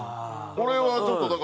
これはちょっとだから。